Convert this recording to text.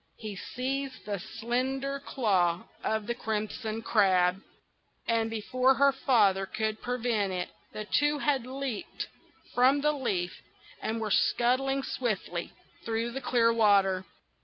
He seized the slender claw of the Crimson Crab; and before her father could prevent it, the two had leaped from the leaf, and were scuttling swiftly through the clear water.